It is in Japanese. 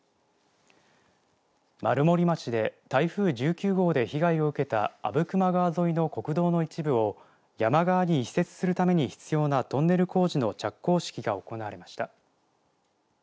丸森町で台風１９号で被害を受けた阿武隈川沿いの国道の一部を山側に移設するために必要なトンネル工事の着工式が行われました。